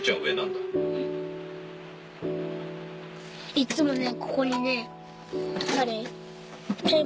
いっつもね。